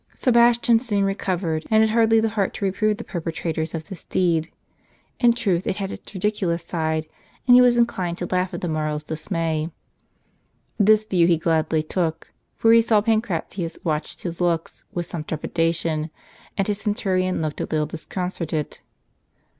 mrs Sebastian soon recovered, and had hardly the heart to reprove the perpetrators of this deed. In truth, it had its lidiculous side, and he was inclined to laugh at the morrow's dismay. This view he gladly took, for he saw Pancratius watched his looks with some trepidation, and his centurion looked a little disconcerted.